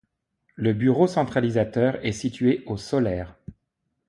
Le bureau centralisateur est situé au Soler.